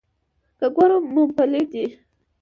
که ګورم مومپلي دي.